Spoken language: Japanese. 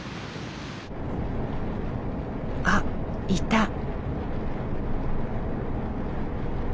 あっいた。